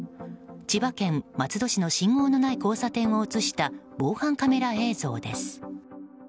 千葉県松戸市の信号のない交差点を映した防犯カメラ映像です。